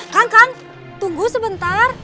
kang kang tunggu sebentar